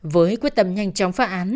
với quyết tâm nhanh chóng phá án